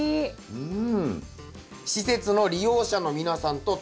うん。